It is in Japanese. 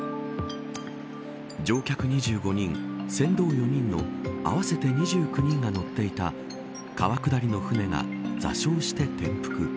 乗客２５人、船頭４人の合わせて２９人が乗っていた川下りの舟が座礁して転覆。